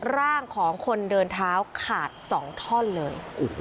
ร่างของคนเดินเท้าขาด๒ท่อนเลย